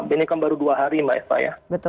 ini kan baru dua hari mbak eva ya